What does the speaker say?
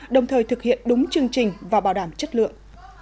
đồng thời thực hiện đúng chương trình và bảo đảm chất lượng